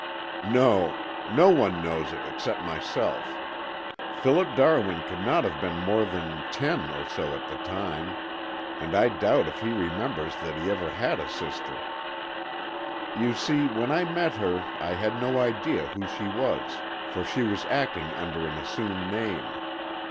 "No. No one knows it except myself. Philip Darwin could not have been more than ten or so at the time, and I doubt if he remembers that he ever had a sister. You see when I met her I had no idea who she was, for she was acting under an assumed name.